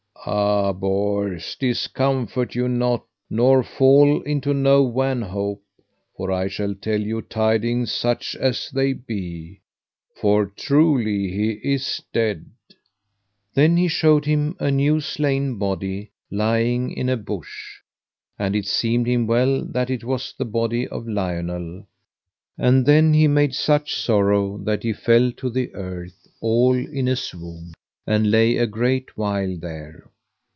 Ah, Bors, discomfort you not, nor fall into no wanhope; for I shall tell you tidings such as they be, for truly he is dead. Then showed he him a new slain body lying in a bush, and it seemed him well that it was the body of Lionel, and then he made such a sorrow that he fell to the earth all in a swoon, and lay a great while there.